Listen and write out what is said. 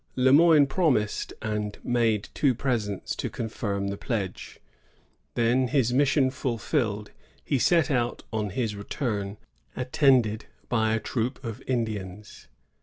Le Moyne promised, and made two presents to confirm the pledge. Then, his mission fulfilled, he set out on his return, attended by a troop of Indians.